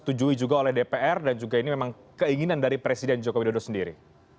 apakah ini akan dianggap oleh dpr dan juga ini memang keinginan dari presiden jokowi dodo sendiri